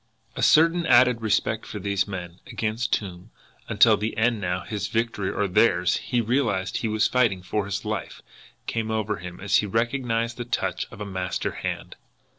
A certain added respect for these men, against whom, until the end now, his victory or theirs, he realised he was fighting for his life, came over him as he recognised the touch of a master hand.